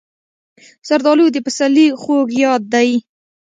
زردالو د پسرلي خوږ یاد دی.